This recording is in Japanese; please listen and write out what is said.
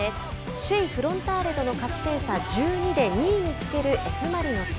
首位フロンターレとの勝ち点差１２で２位につけるＦ・マリノス。